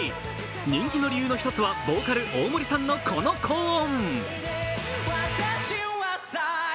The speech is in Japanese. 人気の理由の一つはボーカル・大森さんのこの高音。